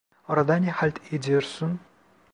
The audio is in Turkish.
Orada ne halt ediyorsun?